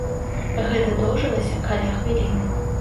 Гэта доўжылася каля хвіліны.